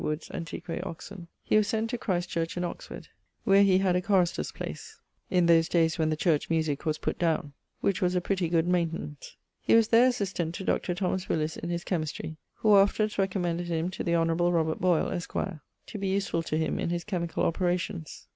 Wood's Antiq. Oxon.) he was sent to Christ Church in Oxford, where he had a chorister's place (in those dayes when the church musique was putt downe), which was a pretty good maintenance. He was there assistant to Dr. Thomas Willis in his chymistry; who afterwards recommended him to the honᵇˡᵉ Robert Boyle, esqre, to be usefull to him in his chymicall operations. Mr.